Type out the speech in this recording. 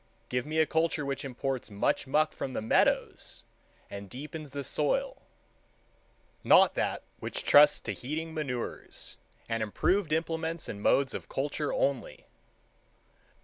Give me a culture which imports much muck from the meadows, and deepens the soil—not that which trusts to heating manures, and improved implements and modes of culture only!